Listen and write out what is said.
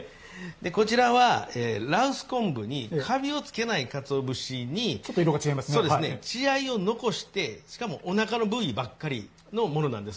こちらは羅臼昆布にかびを付けないかつお節に血合いを残してしかも、おなかの部位ばっかりのものなんです。